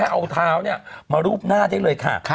เอาเท้ามารูปหน้าได้เลยค่ะ